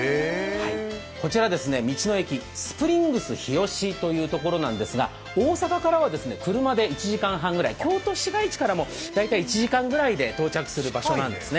こちら、道の駅スプリングスひよしというところなんですが、大阪からは車で１時間半ぐらい、京都市街地からも大体１時間ぐらいで到着する場所なんですね。